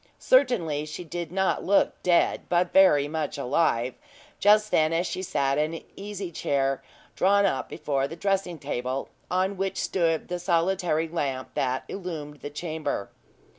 Certainly she did not look dead, but very much alive, just then, as she sat in an easy chair, drawn up before the dressing table, on which stood the solitary lamp that illumed the chamber.